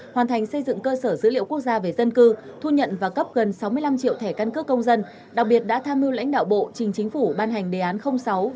hoàn thành xây dựng cơ sở dữ liệu quốc gia về dân cư thu nhận và cấp gần sáu mươi năm triệu thẻ căn cước công dân đặc biệt đã tham mưu lãnh đạo bộ